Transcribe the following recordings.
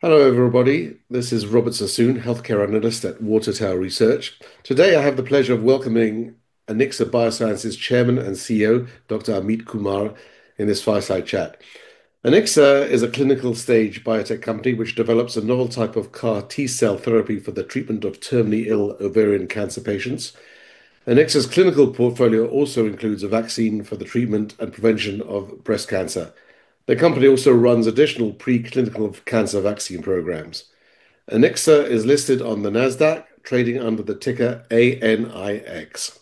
Hello everybody, this is Robert Sassoon, Healthcare Analyst at Water Tower Research. Today I have the pleasure of welcoming Anixa Biosciences Chairman and CEO Dr. Amit Kumar in this fireside chat. Anixa is a clinical stage biotech company which develops a novel type of CAR-T cell therapy for the treatment of terminally ill ovarian cancer patients. Anixa's clinical portfolio also includes a vaccine for the treatment and prevention of breast cancer. The company also runs additional preclinical cancer vaccine programs. Anixa is listed on the Nasdaq, trading under the ticker ANIX.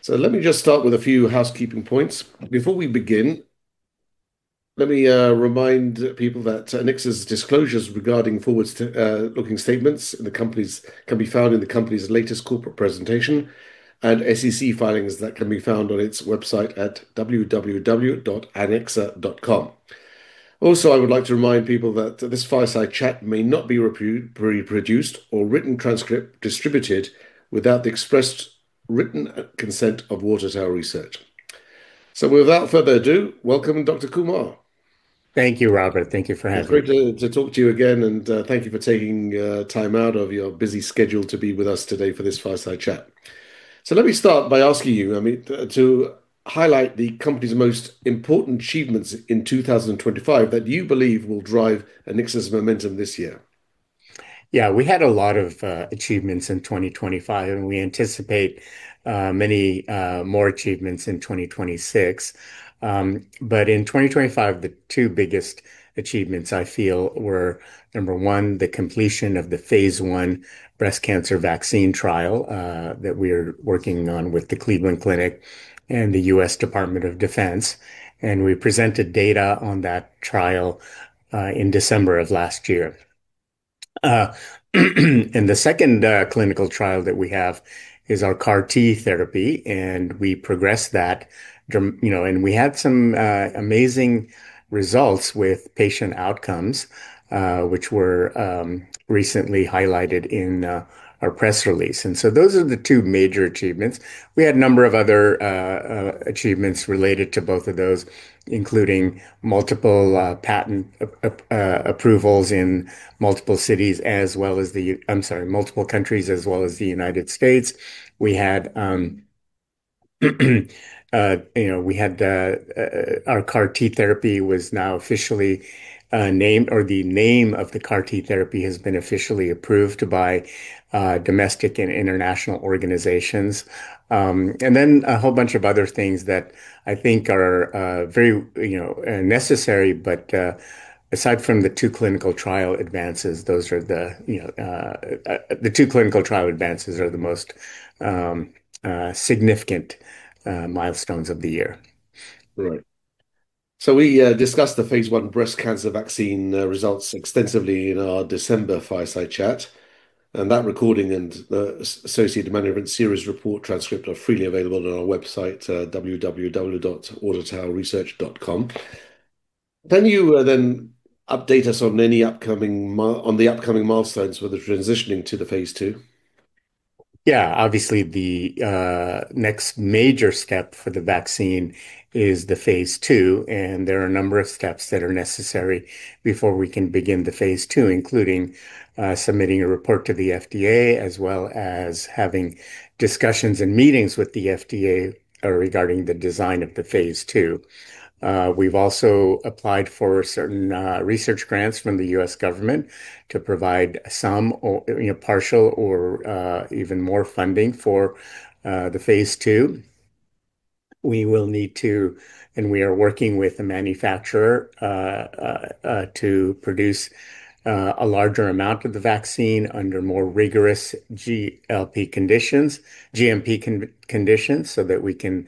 So let me just start with a few housekeeping points. Before we begin, let me remind people that Anixa's disclosures regarding forward-looking statements can be found in the company's latest corporate presentation and SEC filings that can be found on its website at www.anixa.com. Also, I would like to remind people that this fireside chat may not be reproduced or written transcript distributed without the expressed written consent of Water Tower Research. So without further ado, welcome, Dr. Kumar. Thank you, Robert. Thank you for having me. Great to talk to you again, and thank you for taking time out of your busy schedule to be with us today for this fireside chat. Let me start by asking you, Amit, to highlight the company's most important achievements in 2025 that you believe will drive Anixa's momentum this year. Yeah, we had a lot of achievements in 2025, and we anticipate many more achievements in 2026. But in 2025, the two biggest achievements, I feel, were, number one, the completion of the phase I Breast Cancer Vaccine trial that we are working on with the Cleveland Clinic and the U.S. Department of Defense. And we presented data on that trial in December of last year. And the second clinical trial that we have is our CAR-T therapy, and we progressed that, you know, and we had some amazing results with patient outcomes, which were recently highlighted in our press release. And so those are the two major achievements. We had a number of other achievements related to both of those, including multiple patent approvals in multiple cities, as well as the I'm sorry, multiple countries, as well as the United States. We had, you know, we had our CAR-T therapy was now officially named or the name of the CAR-T therapy has been officially approved by domestic and international organizations. And then a whole bunch of other things that I think are very, you know, necessary. But aside from the two clinical trial advances, those are the, you know, the two clinical trial advances are the most significant milestones of the year. Right. So we discussed the phase I Breast Cancer Vaccine results extensively in our December fireside chat. That recording and the associated Management Series report transcript are freely available on our website, www.watertowerresearch.com. Can you then update us on the upcoming milestones for the transitioning to the phase II? Yeah, obviously, the next major step for the vaccine is the phase II, and there are a number of steps that are necessary before we can begin the phase II, including submitting a report to the FDA, as well as having discussions and meetings with the FDA regarding the design of the phase II. We've also applied for certain research grants from the U.S. government to provide some, you know, partial or even more funding for the phase II. We will need to, and we are working with a manufacturer to produce a larger amount of the vaccine under more rigorous GLP conditions, GMP conditions, so that we can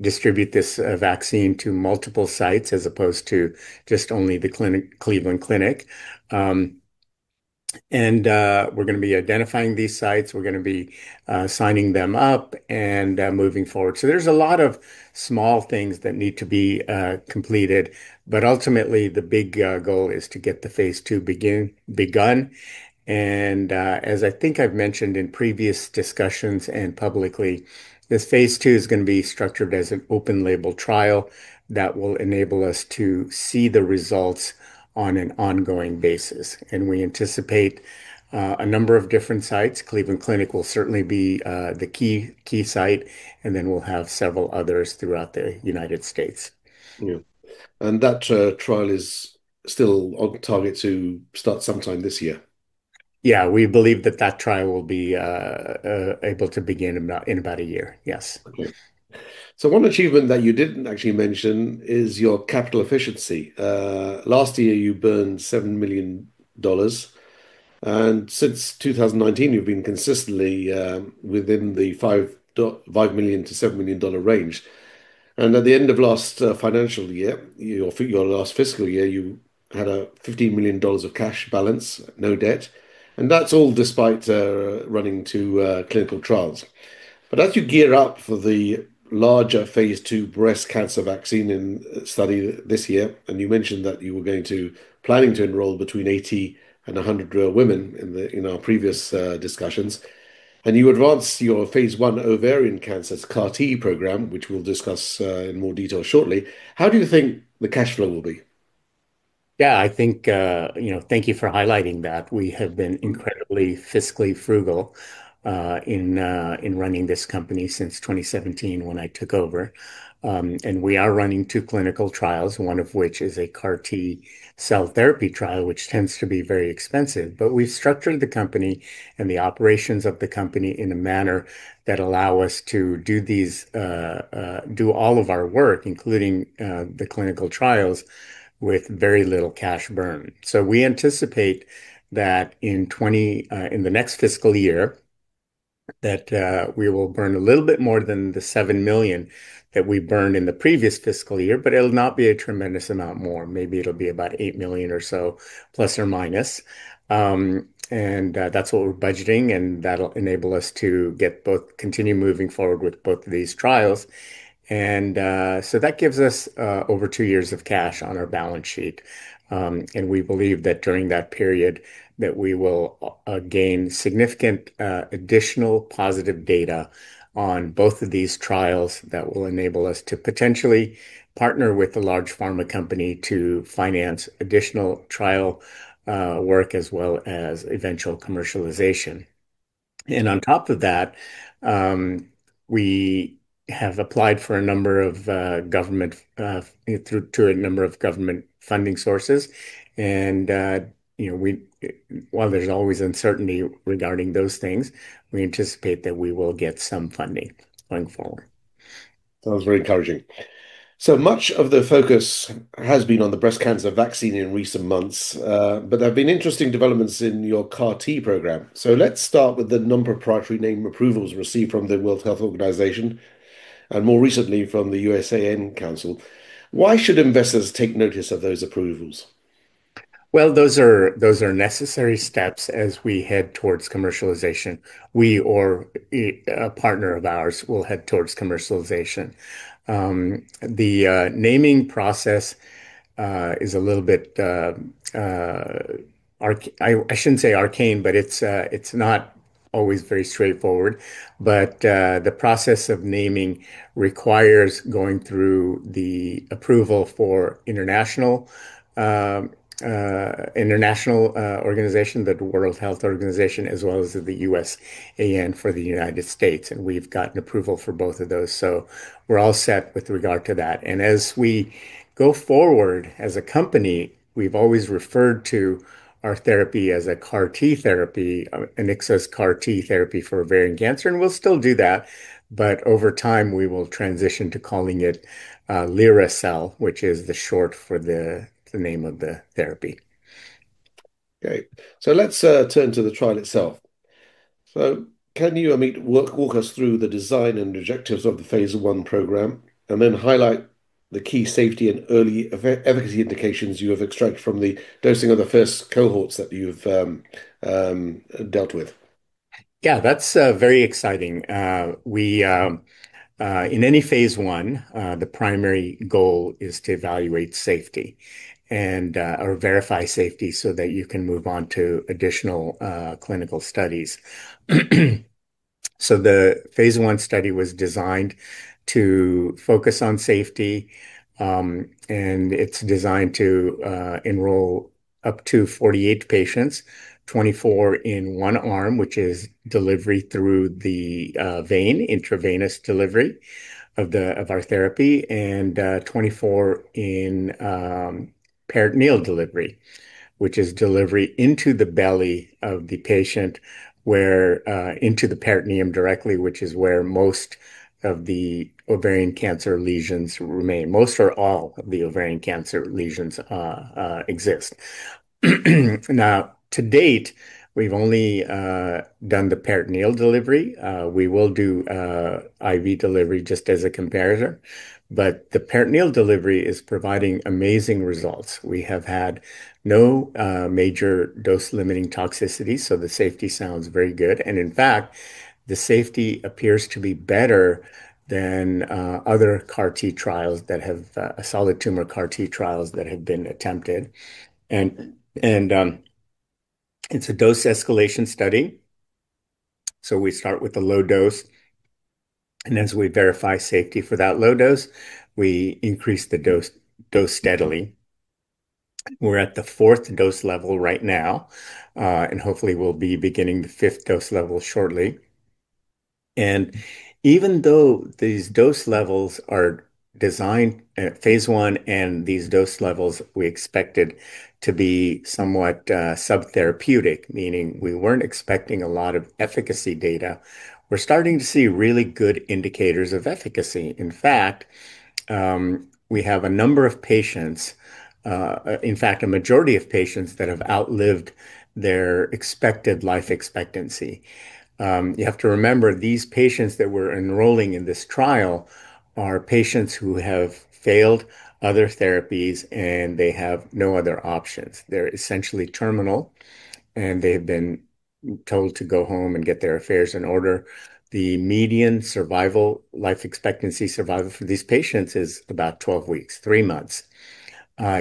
distribute this vaccine to multiple sites, as opposed to just only the Cleveland Clinic. We're going to be identifying these sites. We're going to be signing them up and moving forward. There's a lot of small things that need to be completed. Ultimately, the big goal is to get the phase II begun. As I think I've mentioned in previous discussions and publicly, this phase II is going to be structured as an open-label trial that will enable us to see the results on an ongoing basis. We anticipate a number of different sites. Cleveland Clinic will certainly be the key site, and then we'll have several others throughout the United States. Yeah. That trial is still on target to start sometime this year? Yeah, we believe that that trial will be able to begin in about a year. Yes. So one achievement that you didn't actually mention is your capital efficiency. Last year you burned $7 million, and since 2019 you've been consistently within the $5 million-$7 million range. And at the end of last financial year, your last fiscal year, you had a $15 million of cash balance, no debt, and that's all despite running two clinical trials. But as you gear up for the larger phase II Breast Cancer Vaccine study this year, and you mentioned that you were going to planning to enroll between 80 and 100 women in our previous discussions, and you advance your phase I ovarian cancer's CAR-T program, which we'll discuss in more detail shortly. How do you think the cash flow will be? Yeah, I think, you know, thank you for highlighting that. We have been incredibly fiscally frugal in running this company since 2017 when I took over. We are running two clinical trials, one of which is a CAR T-cell therapy trial, which tends to be very expensive. We've structured the company and the operations of the company in a manner that allow us to do all of our work, including the clinical trials, with very little cash burn. We anticipate that in the next fiscal year, that we will burn a little bit more than the $7 million that we burned in the previous fiscal year, but it'll not be a tremendous amount more. Maybe it'll be about $8 million or so, plus or minus. That's what we're budgeting, and that'll enable us to get both continue moving forward with both of these trials. So that gives us over two years of cash on our balance sheet. We believe that during that period, we will gain significant additional positive data on both of these trials that will enable us to potentially partner with a large pharma company to finance additional trial work, as well as eventual commercialization. On top of that, we have applied for a number of government funding sources. You know, while there's always uncertainty regarding those things, we anticipate that we will get some funding going forward. Sounds very encouraging. So much of the focus has been on the breast cancer vaccine in recent months. But there have been interesting developments in your CAR-T program. So let's start with the non-proprietary name approvals received from the World Health Organization, and more recently from the USAN Council. Why should investors take notice of those approvals? Well, those are necessary steps as we head towards commercialization. We or a partner of ours will head towards commercialization. The naming process is a little bit, I shouldn't say arcane, but it's not always very straightforward. But the process of naming requires going through the approval for international organization, the World Health Organization, as well as the USAN for the United States. And we've gotten approval for both of those. So we're all set with regard to that. And as we go forward as a company, we've always referred to our therapy as a CAR-T therapy, Anixa's CAR-T therapy for ovarian cancer. And we'll still do that. But over time, we will transition to calling it locireddir, which is the short for the name of the therapy. Okay, so let's turn to the trial itself. Can you, Amit, walk us through the design and objectives of the phase I program, and then highlight the key safety and early efficacy indications you have extracted from the dosing of the first cohorts that you've dealt with? Yeah, that's very exciting. In any phase I, the primary goal is to evaluate safety or verify safety so that you can move on to additional clinical studies. So the phase I study was designed to focus on safety. And it's designed to enroll up to 48 patients, 24 in one arm, which is delivery through the vein, intravenous delivery of our therapy, and 24 in peritoneal delivery, which is delivery into the belly of the patient, into the peritoneum directly, which is where most of the ovarian cancer lesions remain. Most or all of the ovarian cancer lesions exist. Now, to date, we've only done the peritoneal delivery. We will do IV delivery just as a comparator. But the peritoneal delivery is providing amazing results. We have had no major dose-limiting toxicity. So the safety sounds very good. In fact, the safety appears to be better than other CAR-T trials that have solid tumor CAR-T trials that have been attempted. It's a dose escalation study. We start with a low dose. And as we verify safety for that low dose, we increase the dose steadily. We're at the fourth dose level right now, and hopefully we'll be beginning the fifth dose level shortly. And even though these dose levels are designed, phase 1 and these dose levels, we expected to be somewhat subtherapeutic, meaning we weren't expecting a lot of efficacy data. We're starting to see really good indicators of efficacy. In fact, we have a number of patients, in fact, a majority of patients that have outlived their expected life expectancy. You have to remember, these patients that we're enrolling in this trial are patients who have failed other therapies, and they have no other options. They're essentially terminal, and they have been told to go home and get their affairs in order. The median survival, life expectancy survival for these patients is about 12 weeks, three months.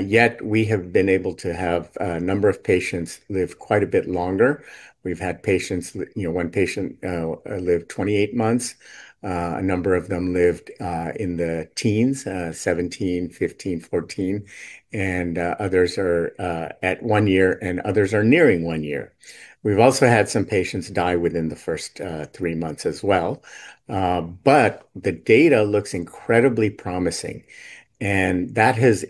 Yet we have been able to have a number of patients live quite a bit longer. We've had patients, you know, one patient lived 28 months. A number of them lived in the teens, 17, 15, 14, and others are at one year, and others are nearing one year. We've also had some patients die within the first three months as well. But the data looks incredibly promising. That has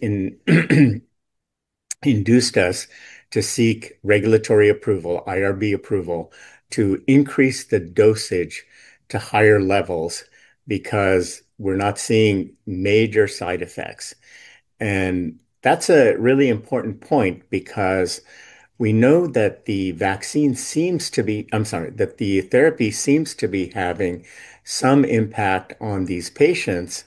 induced us to seek regulatory approval, IRB approval, to increase the dosage to higher levels because we're not seeing major side effects. That's a really important point, because we know that the vaccine seems to be, I'm sorry, that the therapy seems to be having some impact on these patients.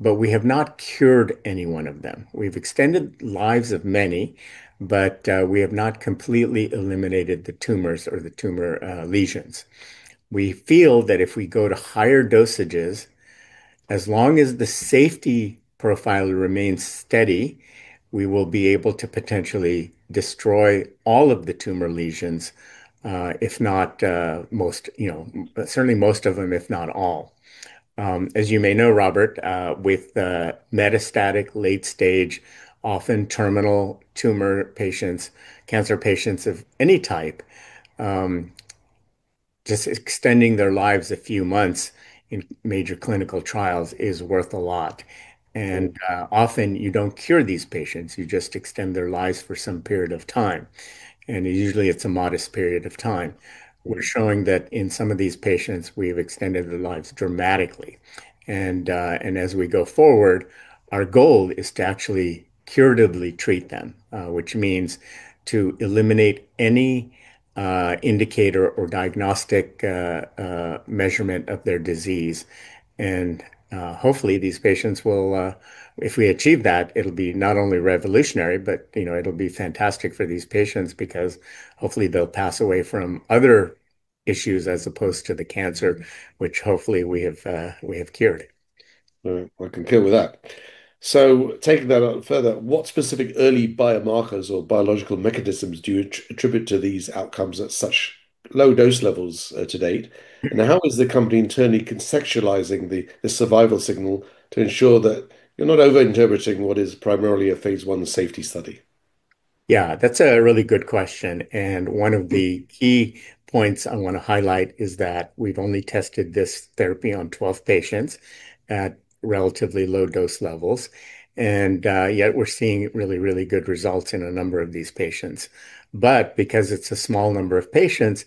But we have not cured any one of them. We've extended lives of many, but we have not completely eliminated the tumors or the tumor lesions. We feel that if we go to higher dosages, as long as the safety profile remains steady, we will be able to potentially destroy all of the tumor lesions, if not most, you know, certainly most of them, if not all. As you may know, Robert, with metastatic, late-stage, often terminal tumor patients, cancer patients of any type, just extending their lives a few months in major clinical trials is worth a lot. And often you don't cure these patients. You just extend their lives for some period of time. Usually it's a modest period of time. We're showing that in some of these patients, we've extended their lives dramatically. As we go forward, our goal is to actually curatively treat them, which means to eliminate any indicator or diagnostic measurement of their disease. Hopefully these patients will, if we achieve that, it'll be not only revolutionary, but, you know, it'll be fantastic for these patients, because hopefully they'll pass away from other issues as opposed to the cancer, which hopefully we have cured. We can kill with that. So taking that further, what specific early biomarkers or biological mechanisms do you attribute to these outcomes at such low dose levels to date? And how is the company internally conceptualizing the survival signal to ensure that you're not overinterpreting what is primarily a phase I safety study? Yeah, that's a really good question. One of the key points I want to highlight is that we've only tested this therapy on 12 patients at relatively low dose levels. Yet we're seeing really, really good results in a number of these patients. But because it's a small number of patients,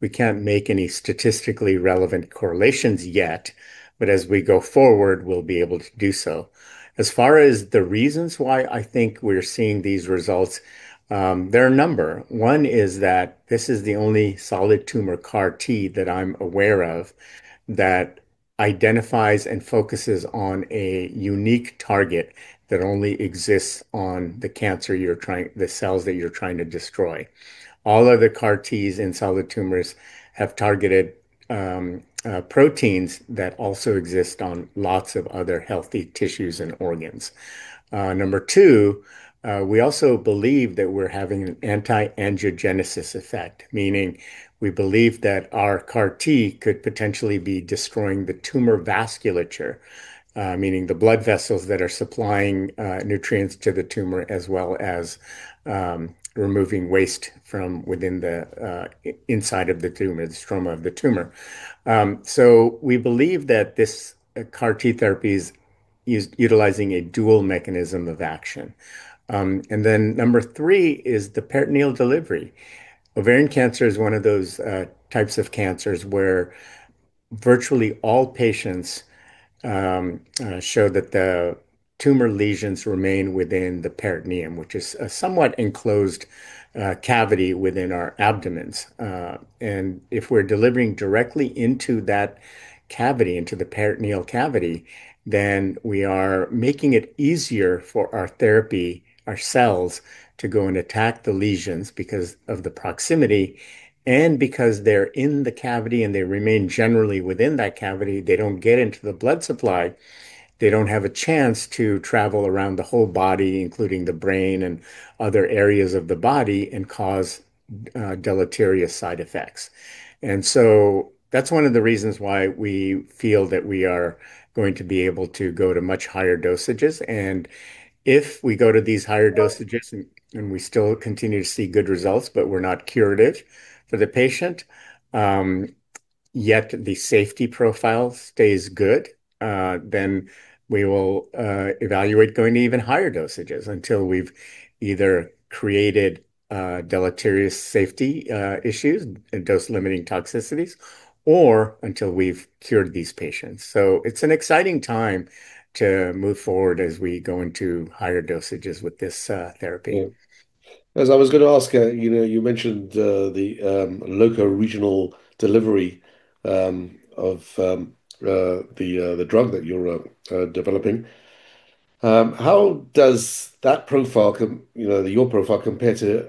we can't make any statistically relevant correlations yet. But as we go forward, we'll be able to do so. As far as the reasons why I think we're seeing these results, there are a number. One is that this is the only solid tumor CAR-T that I'm aware of that identifies and focuses on a unique target that only exists on the cancer you're trying, the cells that you're trying to destroy. All other CAR-Ts in solid tumors have targeted proteins that also exist on lots of other healthy tissues and organs. Number two, we also believe that we're having an anti-angiogenesis effect, meaning we believe that our CAR-T could potentially be destroying the tumor vasculature, meaning the blood vessels that are supplying nutrients to the tumor, as well as removing waste from within the inside of the tumor, the stroma of the tumor. So we believe that this CAR-T therapy is utilizing a dual mechanism of action. And then number three is the peritoneal delivery. Ovarian cancer is one of those types of cancers where virtually all patients show that the tumor lesions remain within the peritoneum, which is a somewhat enclosed cavity within our abdomens. And if we're delivering directly into that cavity, into the peritoneal cavity, then we are making it easier for our therapy, our cells, to go and attack the lesions because of the proximity. And because they're in the cavity and they remain generally within that cavity, they don't get into the blood supply. They don't have a chance to travel around the whole body, including the brain and other areas of the body, and cause deleterious side effects. And so that's one of the reasons why we feel that we are going to be able to go to much higher dosages. And if we go to these higher dosages and we still continue to see good results, but we're not curative for the patient, yet the safety profile stays good, then we will evaluate going to even higher dosages until we've either created deleterious safety issues, dose-limiting toxicities, or until we've cured these patients. So it's an exciting time to move forward as we go into higher dosages with this therapy. As I was going to ask, you mentioned the local regional delivery of the drug that you're developing. How does that profile, your profile, compare to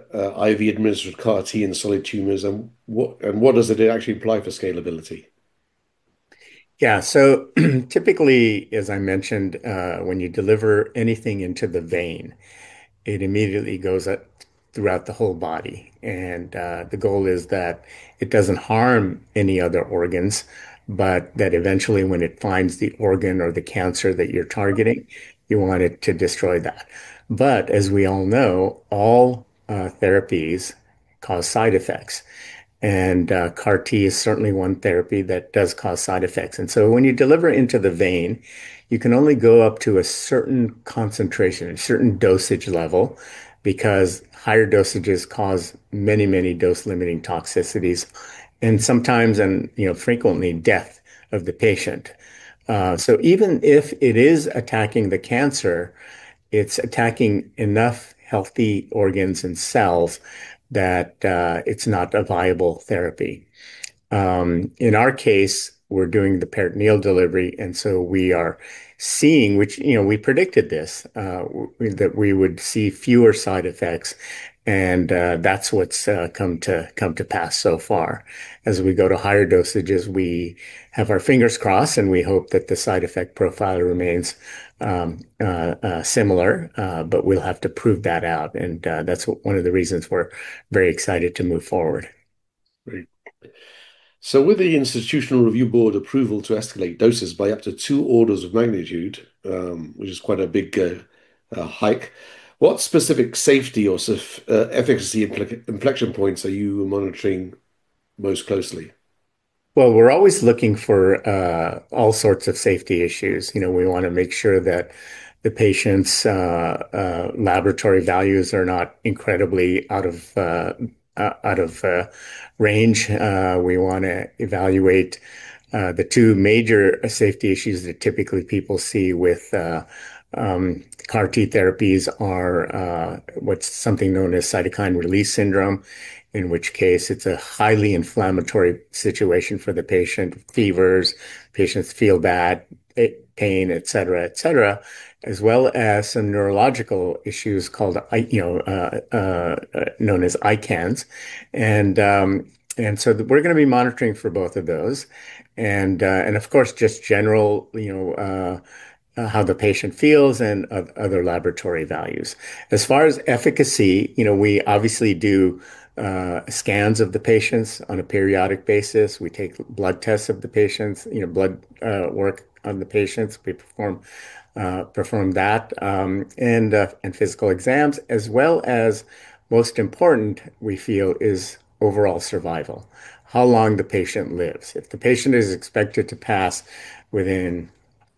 IV-administered CAR-T in solid tumors? What does it actually imply for scalability? Yeah, so typically, as I mentioned, when you deliver anything into the vein, it immediately goes throughout the whole body. And the goal is that it doesn't harm any other organs, but that eventually, when it finds the organ or the cancer that you're targeting, you want it to destroy that. But as we all know, all therapies cause side effects. And CAR-T is certainly one therapy that does cause side effects. And so when you deliver into the vein, you can only go up to a certain concentration, a certain dosage level, because higher dosages cause many, many dose-limiting toxicities and sometimes and frequently death of the patient. So even if it is attacking the cancer, it's attacking enough healthy organs and cells that it's not a viable therapy. In our case, we're doing the peritoneal delivery. And so we are seeing, which we predicted this, that we would see fewer side effects. And that's what's come to pass so far. As we go to higher dosages, we have our fingers crossed, and we hope that the side effect profile remains similar. But we'll have to prove that out. And that's one of the reasons we're very excited to move forward. Great. With the Institutional Review Board approval to escalate doses by up to two orders of magnitude, which is quite a big hike, what specific safety or efficacy inflection points are you monitoring most closely? Well, we're always looking for all sorts of safety issues. We want to make sure that the patient's laboratory values are not incredibly out of range. We want to evaluate the two major safety issues that typically people see with CAR-T therapies, which are something known as cytokine release syndrome, in which case it's a highly inflammatory situation for the patient, fevers, patients feel bad, pain, et cetera, et cetera, as well as some neurological issues known as ICANS. And so we're going to be monitoring for both of those. And of course, just general, you know, how the patient feels and other laboratory values. As far as efficacy, you know, we obviously do scans of the patients on a periodic basis. We take blood tests of the patients, you know, blood work on the patients. We perform that and physical exams, as well, most important, we feel, is overall survival, how long the patient lives. If the patient is expected to pass within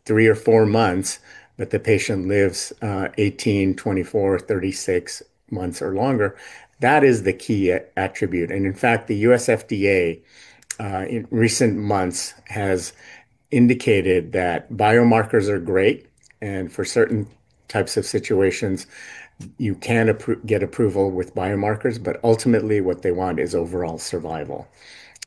three or four months, but the patient lives 18, 24, 36 months or longer, that is the key attribute. In fact, the U.S. FDA, in recent months, has indicated that biomarkers are great. For certain types of situations, you can get approval with biomarkers. But ultimately, what they want is overall survival.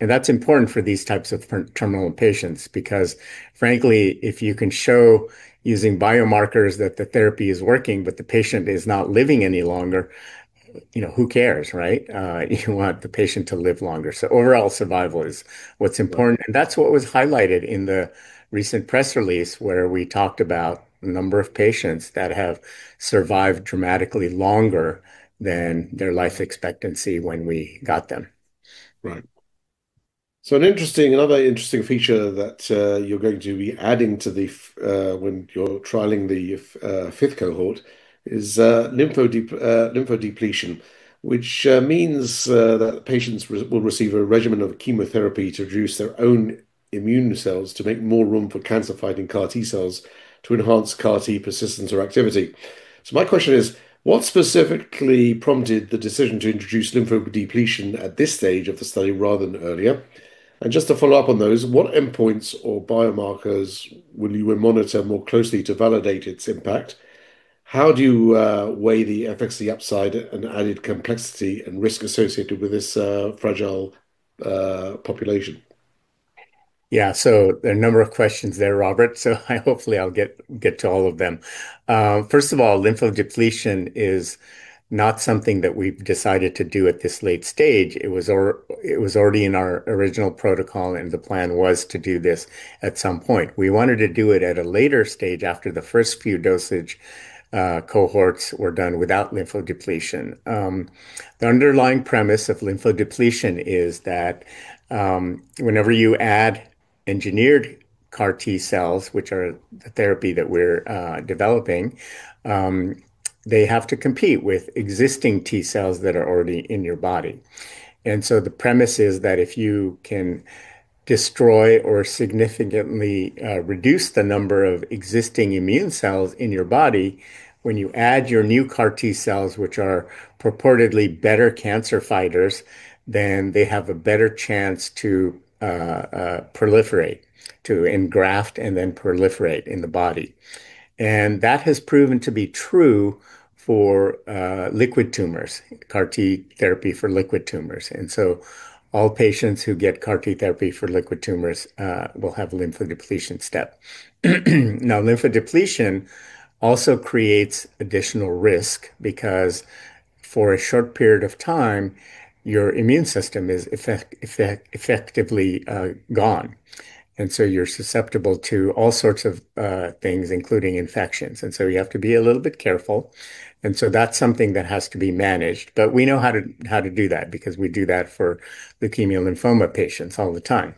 That's important for these types of terminal patients, because, frankly, if you can show using biomarkers that the therapy is working, but the patient is not living any longer, you know, who cares, right? You want the patient to live longer. Overall survival is what's important. That's what was highlighted in the recent press release, where we talked about a number of patients that have survived dramatically longer than their life expectancy when we got them. Right. So another interesting feature that you're going to be adding to when you're trialing the fifth cohort is lymphodepletion, which means that patients will receive a regimen of chemotherapy to reduce their own immune cells to make more room for cancer-fighting CAR-T cells to enhance CAR-T persistence or activity. So my question is, what specifically prompted the decision to introduce lymphodepletion at this stage of the study rather than earlier? And just to follow up on those, what endpoints or biomarkers will you monitor more closely to validate its impact? How do you weigh the effects, the upside and added complexity and risk associated with this fragile population? Yeah, so there are a number of questions there, Robert. So hopefully I'll get to all of them. First of all, lymphodepletion is not something that we've decided to do at this late stage. It was already in our original protocol, and the plan was to do this at some point. We wanted to do it at a later stage, after the first few dosage cohorts were done without lymphodepletion. The underlying premise of lymphodepletion is that whenever you add engineered CAR-T cells, which are the therapy that we're developing, they have to compete with existing T cells that are already in your body. The premise is that if you can destroy or significantly reduce the number of existing immune cells in your body, when you add your new CAR-T cells, which are purportedly better cancer fighters, then they have a better chance to proliferate, to engraft and then proliferate in the body. That has proven to be true for liquid tumors, CAR-T therapy for liquid tumors. All patients who get CAR-T therapy for liquid tumors will have a lymphodepletion step. Now, lymphodepletion also creates additional risk, because for a short period of time, your immune system is effectively gone. You're susceptible to all sorts of things, including infections. You have to be a little bit careful. That's something that has to be managed. But we know how to do that, because we do that for leukemia and lymphoma patients all the time.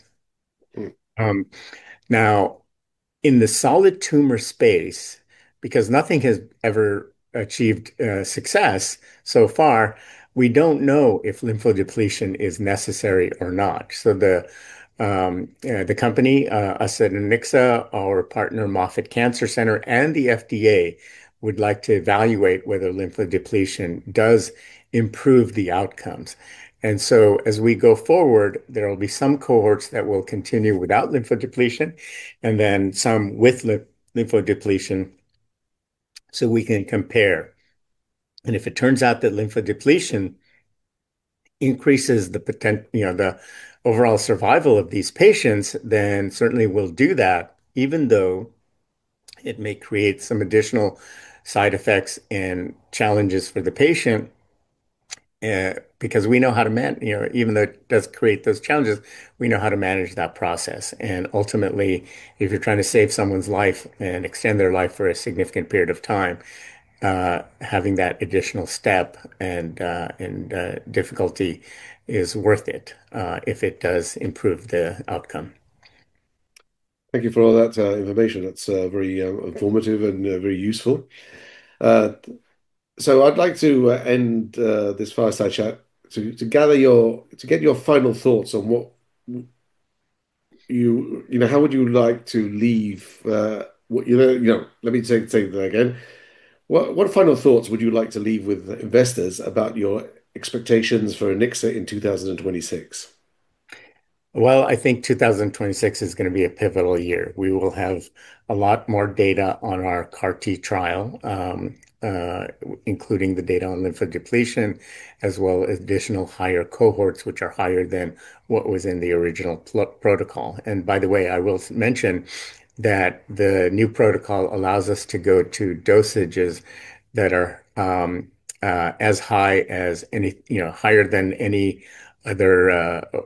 Now, in the solid tumor space, because nothing has ever achieved success so far, we don't know if lymphodepletion is necessary or not. So the company, Anixa, our partner, Moffitt Cancer Center, and the FDA would like to evaluate whether lymphodepletion does improve the outcomes. And so as we go forward, there will be some cohorts that will continue without lymphodepletion and then some with lymphodepletion, so we can compare. And if it turns out that lymphodepletion increases the overall survival of these patients, then certainly we'll do that, even though it may create some additional side effects and challenges for the patient. Because we know how to, even though it does create those challenges, we know how to manage that process. Ultimately, if you're trying to save someone's life and extend their life for a significant period of time, having that additional step and difficulty is worth it if it does improve the outcome. Thank you for all that information. It's very informative and very useful. So I'd like to end this fireside chat to get your final thoughts on what you know. How would you like to leave what you know? Let me say that again. What final thoughts would you like to leave with investors about your expectations for ANIX in 2026? Well, I think 2026 is going to be a pivotal year. We will have a lot more data on our CAR-T trial, including the data on lymphodepletion, as well as additional higher cohorts, which are higher than what was in the original protocol. By the way, I will mention that the new protocol allows us to go to dosages that are as high as any higher than any other,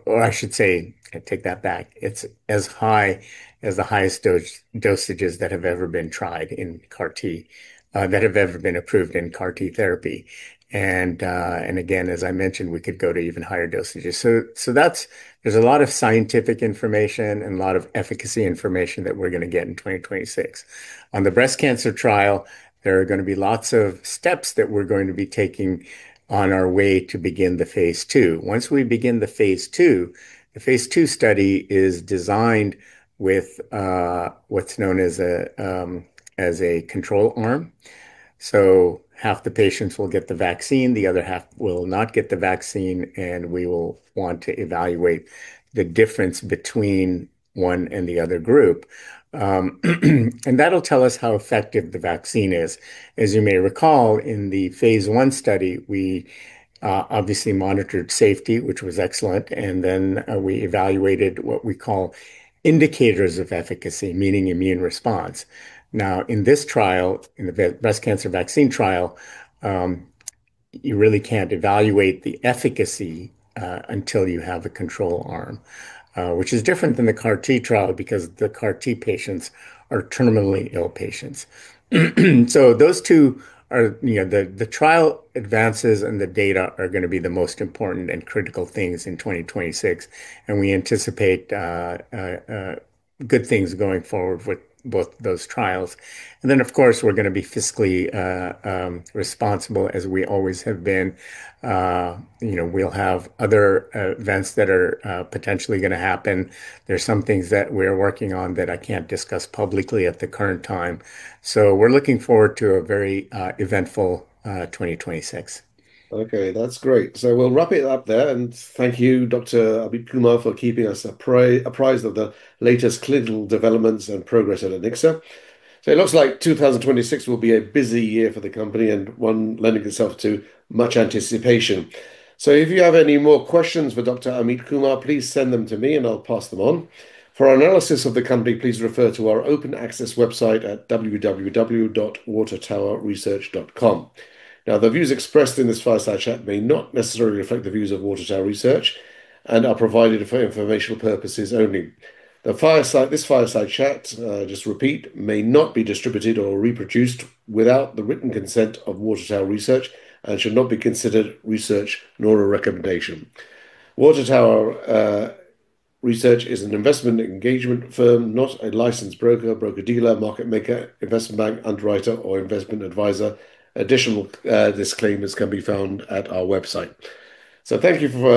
or I should say, take that back, it's as high as the highest dosages that have ever been tried in CAR-T, that have ever been approved in CAR-T therapy. And again, as I mentioned, we could go to even higher dosages. So there's a lot of scientific information and a lot of efficacy information that we're going to get in 2026. On the breast cancer trial, there are going to be lots of steps that we're going to be taking on our way to begin the phase II. Once we begin the phase II, the phase II study is designed with what's known as a control arm. So half the patients will get the vaccine, the other half will not get the vaccine, and we will want to evaluate the difference between one and the other group. And that'll tell us how effective the vaccine is. As you may recall, in the phase 1 study, we obviously monitored safety, which was excellent. And then we evaluated what we call indicators of efficacy, meaning immune response. Now, in this trial, in the breast cancer vaccine trial, you really can't evaluate the efficacy until you have a control arm, which is different than the CAR-T trial, because the CAR-T patients are terminally ill patients. So those two are the trial advances and the data are going to be the most important and critical things in 2026. And we anticipate good things going forward with both those trials. And then, of course, we're going to be fiscally responsible, as we always have been. We'll have other events that are potentially going to happen. There's some things that we're working on that I can't discuss publicly at the current time. So we're looking forward to a very eventful 2026. Okay, that's great. So we'll wrap it up there. And thank you, Dr. Amit Kumar, for keeping us apprised of the latest clinical developments and progress at Anixa. So it looks like 2026 will be a busy year for the company and one lending itself to much anticipation. So if you have any more questions for Dr. Amit Kumar, please send them to me, and I'll pass them on. For analysis of the company, please refer to our open access website at www.watertowerresearch.com. Now, the views expressed in this fireside chat may not necessarily reflect the views of Water Tower Research and are provided for informational purposes only. The fireside chat, just repeat, may not be distributed or reproduced without the written consent of Water Tower Research and should not be considered research nor a recommendation. Tower Research is an investment engagement firm, not a licensed broker, broker-dealer, market maker, investment bank underwriter, or investment advisor. Additional disclaimers can be found at our website. So thank you for.